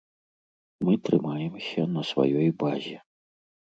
Мы трымаемся на сваёй базе.